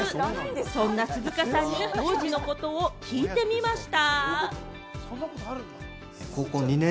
そんな鈴鹿さんに当時のことを聞いてみました。